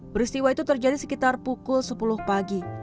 peristiwa itu terjadi sekitar pukul sepuluh pagi